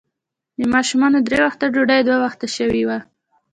د ماشومانو درې وخته ډوډۍ، دوه وخته شوې وه.